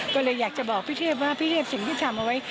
ก็เลยอยากจะบอกพี่เทพว่าพี่เทพสิ่งที่ทำเอาไว้